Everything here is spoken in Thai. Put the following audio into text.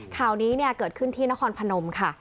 ข่าวนี้เกิดขึ้นที่นครพนมค่ะ